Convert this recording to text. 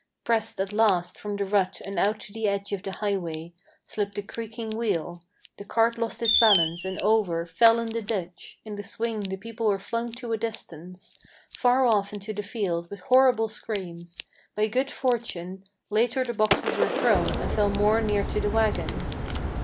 Pressed at last from the rut and out to the edge of the highway, Slipped the creaking wheel; the cart lost its balance, and over Fell in the ditch. In the swing the people were flung to a distance, Far off into the field, with horrible screams; by good fortune Later the boxes were thrown and fell more near to the wagon.